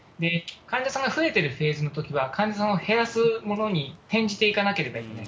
患者さんが増えてるフェーズのときは、患者さんを減らすものに転じていかなければいけない。